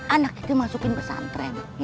anak itu masukin pesantren